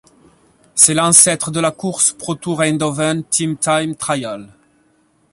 C'est l'ancêtre de la course ProTour Eindhoven Team Time Trial.